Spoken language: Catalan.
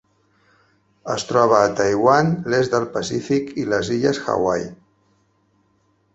Es troba a Taiwan, l'est del Pacífic i les Illes Hawaii.